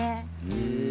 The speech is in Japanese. へえ。